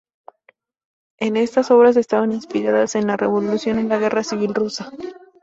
Estas obras estaban inspiradas en la revolución y la Guerra Civil Rusa.